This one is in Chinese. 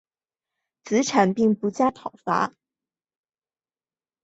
子产并不加讨伐。